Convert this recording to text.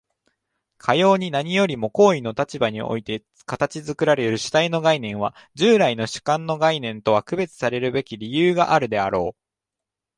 かように何よりも行為の立場において形作られる主体の概念は、従来の主観の概念とは区別さるべき理由があるであろう。